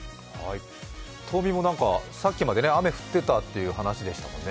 東御も結構さっきまで雨降っていたっていう話でしたもんね。